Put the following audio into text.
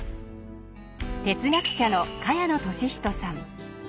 哲学者の萱野稔人さん。